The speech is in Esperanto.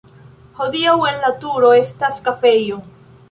Hodiaŭ en la turo estas kafejo.